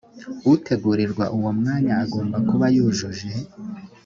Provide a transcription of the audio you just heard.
utegurirwa uwo mwanya agomba kuba yujuje